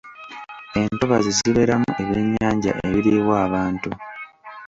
Entobazi zibeeramu ebyennyanja ebiriibwa abantu.